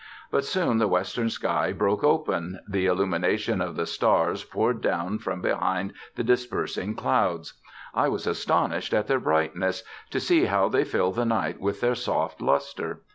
But soon the Western sky broke open; the illumination of the Stars poured down from behind the dispersing clouds. I was astonished at their brightness, to see how they filled the night with their soft lustre.